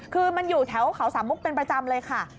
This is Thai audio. คือมันอยู่แถวเขาสามมุกเป็นประจำเลยค่ะ